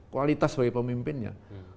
kualitas bagi pemimpinnya